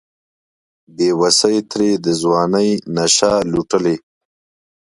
بیوسۍ ترې د ځوانۍ نشه لوټلې